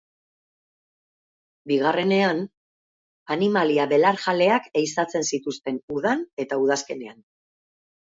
Bigarrenean, animalia belarjaleak ehizatzen zituzten udan eta udazkenean.